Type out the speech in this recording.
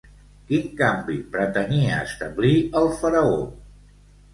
Quin canvi pretenia establir el faraó?